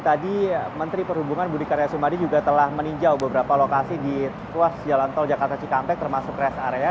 tadi menteri perhubungan budi karya sumadi juga telah meninjau beberapa lokasi di ruas jalan tol jakarta cikampek termasuk rest area